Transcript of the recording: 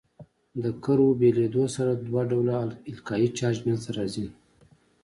د کرو بېلېدو سره دوه ډوله القایي چارج منځ ته راځي.